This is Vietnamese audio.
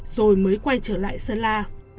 rồi mới quay trở lại sơn la